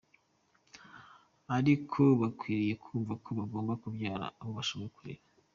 Ariko bakwiriye kumva ko bagomba kubyara abo bashoboye kurera.